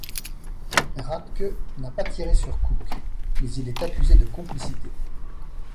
Radke n'a pas tiré sur Cook, mais il est accusé de complicité.